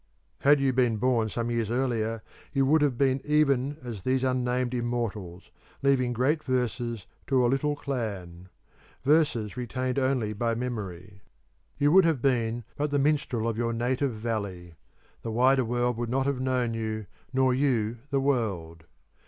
Had you been born some years earlier you would have been even as these unnamed Immortals, leaving great verses to a little clan verses retained only by Memory. You would have been but the minstrel of your native valley: the wider world would not have known you, nor you the world.